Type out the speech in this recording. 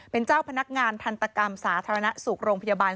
เป็นเจ้าพนักงานทันตกรรมสาธารณสุขโรงพยาบาล